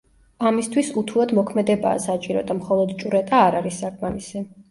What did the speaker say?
ამისთვის უთუოდ მოქმედებაა საჭირო და მხოლოდ ჭვრეტა არ არის საკმარისი.